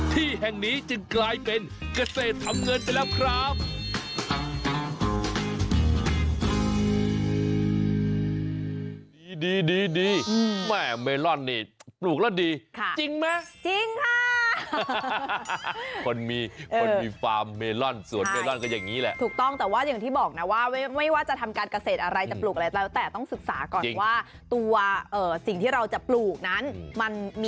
ที่แห่งนี้จึงกลายเป็นเกษตรทำเงินไปแล้วครับ